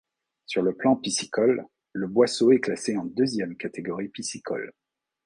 Sur le plan piscicole, le Boisseau est classé en deuxième catégorie piscicole.